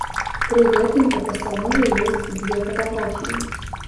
Пры гэтым у пастанове ёсць дзве фатаграфіі.